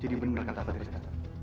jadi bener bener katakan